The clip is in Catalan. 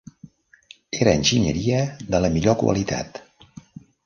Era enginyeria de la millor qualitat.